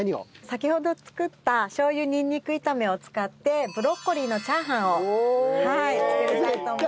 先ほど作ったしょう油にんにく炒めを使ってブロッコリーのチャーハンを作りたいと思います。